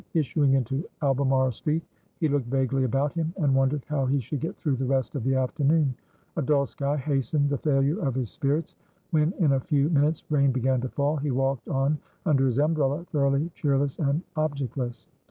Issuing into Albemarle Street, he looked vaguely about him, and wondered how he should get through the rest of the afternoon. A dull sky hastened the failure of his spirits; when, in a few minutes, rain began to fall, he walked on under his umbrella, thoroughly cheerless and objectless.